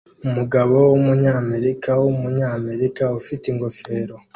Umugabo wumunyamerika wumunyamerika ufite ingofero